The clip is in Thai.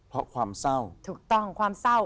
เพราะความเศร้า